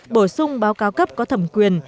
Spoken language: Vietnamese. bổ sung báo cáo cấp có thẩm quyền